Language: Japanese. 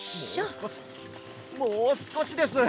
もうすこしもうすこしです。